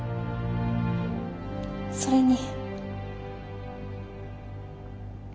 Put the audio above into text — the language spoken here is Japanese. それに。